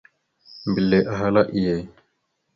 Mbelle ahala: « Iye ».